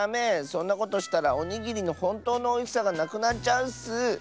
そんなことしたらおにぎりのほんとうのおいしさがなくなっちゃうッス！